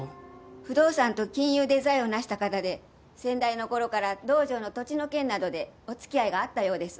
不動産と金融で財を成した方で先代のころから道場の土地の件などでお付き合いがあったようです。